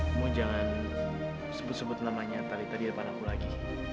kamu jangan sebut sebut nanya nanya tadi di depan aku lagi